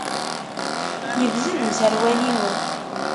Yebzeg userwal-inu.